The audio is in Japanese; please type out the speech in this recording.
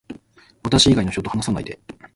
私以外の人と話さないで